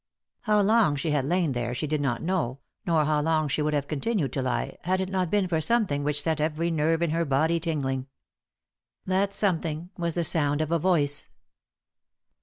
How long she had lain there she did not know, nor how long she 5« 3i 9 iii^d by Google THE INTERRUPTED KISS would have continued to lie, had it not been for something which set every nerve in her body ting ling. That something was the sound of a voice.